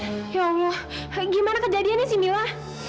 ya allah gimana kejadiannya sih mila